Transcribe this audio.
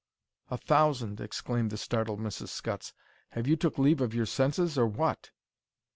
"A thousand!" exclaimed the startled Mrs. Scutts. "Have you took leave of your senses, or what?"